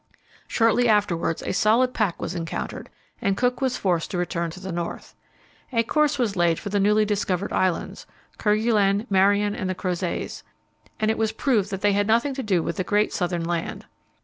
Shortly afterwards a solid pack was encountered, and Cook was forced to return to the north. A course was laid for the newly discovered islands Kerguelen, Marion, and the Crozets and it was proved that they had nothing to do with the great southern land.